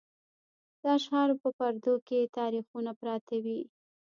د اشعارو په پردو کې یې تاریخونه پراته وي.